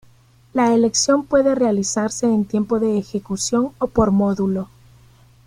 La elección puede realizarse en tiempo de ejecución o por módulo.